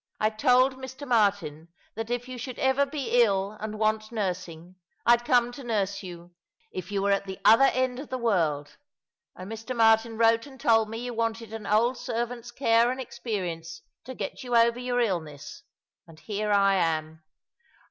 I told Mr. Martin that if you should ever be ill and want nursing I'd come to nurse you — if you were at the other end of the world — and Mr. Martin wrote and told me you wanted an old servant's care and experience to get yon over your illness — and here I am.